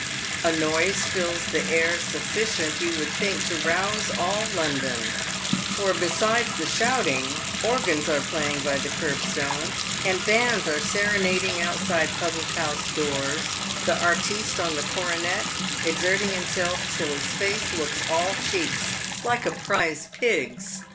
A noise fills the air sufficient, you would think, to rouse all London, for besides the shouting, organs are playing by the kerb stone, and bands are serenading outside public house doors — the artiste on the cornet exerting himself till his face looks all cheeks, like a prize pig's.